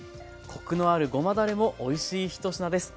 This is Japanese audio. コクのあるごまだれもおいしい１品です。